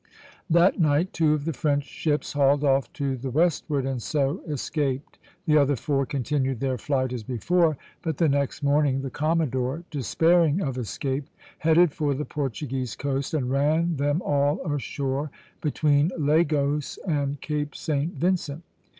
That night two of the French ships hauled off to the westward, and so escaped. The other four continued their flight as before; but the next morning the commodore, despairing of escape, headed for the Portuguese coast, and ran them all ashore between Lagos and Cape St. Vincent.